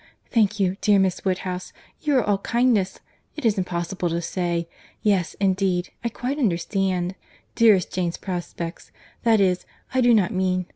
"Thank you, dear Miss Woodhouse, you are all kindness.—It is impossible to say—Yes, indeed, I quite understand—dearest Jane's prospects—that is, I do not mean.